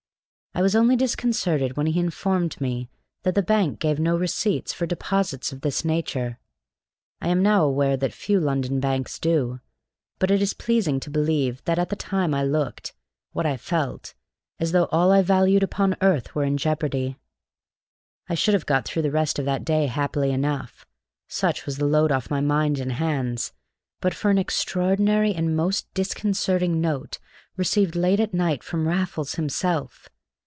I was only disconcerted when he informed me that the bank gave no receipts for deposits of this nature. I am now aware that few London banks do. But it is pleasing to believe that at the time I looked what I felt as though all I valued upon earth were in jeopardy. I should have got through the rest of that day happily enough, such was the load off my mind and hands, but for an extraordinary and most disconcerting note received late at night from Raffles himself.